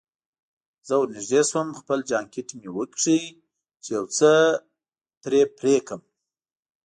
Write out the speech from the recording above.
زه ورنژدې شوم، خپل جانکټ مې وکیښ چې یو څه ترې پرې کړم.